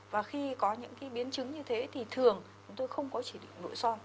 và khi có những cái biến chứng như thế thì thường tôi không có chỉ định nội soi